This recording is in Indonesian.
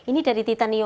ini dari titanium